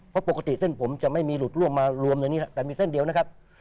เพราะปกติเส้นผมจะไม่มีหลุดล่วงมารวมเลยนี่แหละแต่มีเส้นเดียวนะครับ